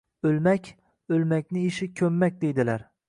— O’lmak, o‘lmakni ishi ko‘mmak, deydilar.